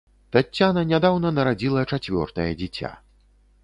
Таццяна нядаўна нарадзіла чацвёртае дзіця.